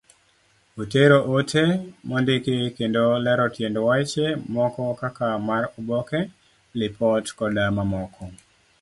Otero ote mondiki kendo lero tiend weche moko kaka mar oboke, lipot, koda mamoko.